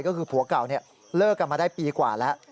ก็คือผัวเก่าเลิกกันมาได้ปีกว่าแล้ว